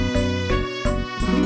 gak ada apa apa